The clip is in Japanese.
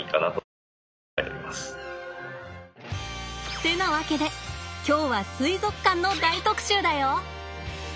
ってなわけで今日は水族館の大特集だよ！